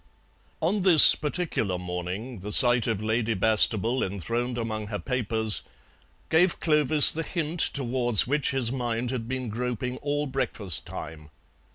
On this particular morning the sight of Lady Bastable enthroned among her papers gave Clovis the hint towards which his mind had been groping all breakfast time.